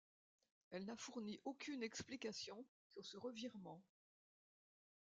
Elle n'a fourni aucune explication sur ce revirement.